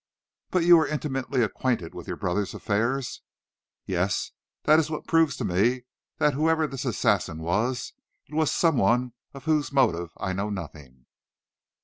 "But you were intimately acquainted with your brother's affairs?" "Yes, that is what proves to me that whoever this assassin was, it was some one of whose motive I know nothing.